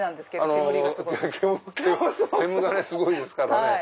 煙がねすごいですからね。